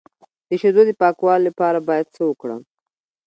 د شیدو د پاکوالي لپاره باید څه وکړم؟